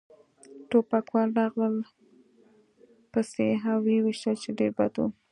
ټوپکوال راغلل پسې و يې ویشتل، چې ډېر بد و.